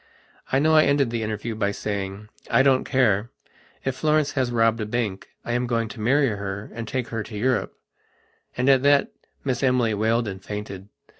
I know I ended the interview by saying: "I don't care. If Florence has robbed a bank I am going to marry her and take her to Europe." And at that Miss Emily wailed and fainted.